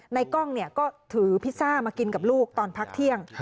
ในกล้องก็ถือพิซซ่ามากินกับลูกตอนพักเที่ยง